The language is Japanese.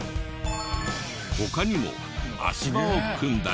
他にも足場を組んだり。